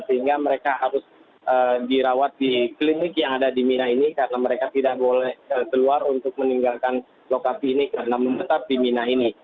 sehingga mereka harus dirawat di klinik yang ada di mina ini karena mereka tidak boleh keluar untuk meninggalkan lokasi ini karena membetas di mina ini